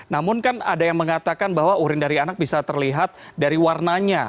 namun kan ada yang mengatakan bahwa urin dari anak bisa terlihat dari warnanya